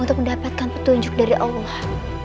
untuk mendapatkan petunjuk dari allah